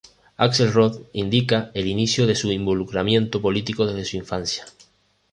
Axelrod indica el inicio de su involucramiento político desde su infancia.